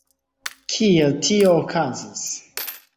Kiel tio okazis?